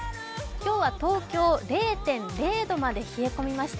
今日は東京０．０度まで冷え込みました。